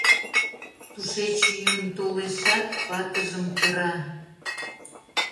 Тушеч йӱын толешат, ватыжым кыра.